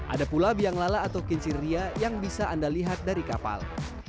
ada pula biang lala atau kincir ria yang bisa anda lihat dari kapal